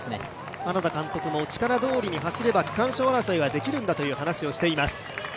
花田監督も力どおりに走れば、区間賞争いはできるんだと話しています。